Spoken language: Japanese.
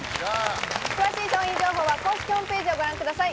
詳しい商品情報は公式ホームページをご覧ください。